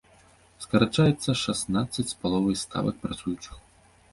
Скарачаецца шаснаццаць з паловай ставак працуючых.